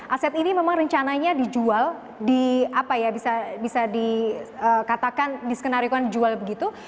aset ini memang rencananya dijual bisa dikatakan diskenarikan dijual begitu